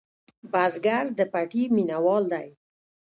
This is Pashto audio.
بزګر د پټي مېنهوال دی